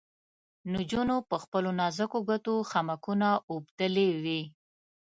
نجونو په خپلو نازکو ګوتو خامکونه اوبدلې وې.